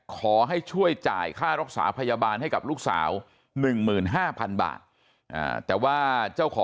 ขอให้ช่วยจ่ายค่ารักษาพยาบาลให้กับลูกสาว๑๕๐๐๐บาท